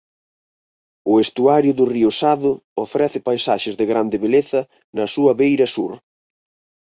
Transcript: O estuario do río Sado ofrece paisaxes de grande beleza na súa beira sur.